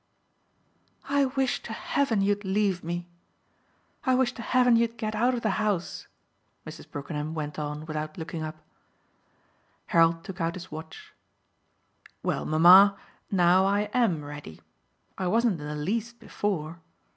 "I wish to heaven you'd leave me I wish to heaven you'd get out of the house," Mrs. Brookenham went on without looking up. Harold took out his watch. "Well, mamma, now I AM ready: I wasn't in the least before.